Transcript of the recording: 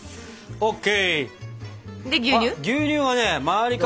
ＯＫ。